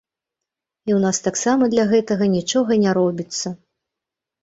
І ў нас таксама для гэтага нічога не робіцца.